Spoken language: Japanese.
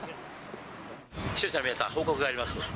視聴者の皆さん、報告があります。